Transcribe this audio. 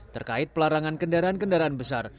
terkait pelarangan kendaraan kendaraan besar